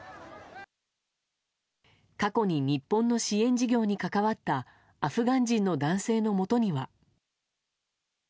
過去に日本の支援事業に関わったアフガン人の男性のもとには。